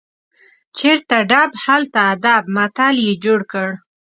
چیرته ډب، هلته ادب متل یې جوړ کړ.